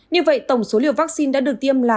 như vậy tổng số liều vaccine đã được tiêm là